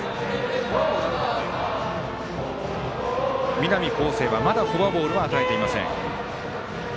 南恒誠は、まだフォアボールは与えていません。